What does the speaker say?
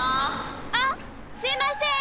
あっすいません！